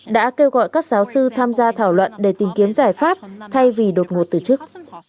đã kêu gọi các giáo sư tham gia thảo luận để tìm kiếm giải pháp thay vì đột ngột từ chức